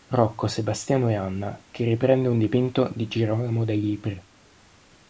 Rocco, Sebastiano e Anna", che riprende un dipinto di Girolamo Dai Libri.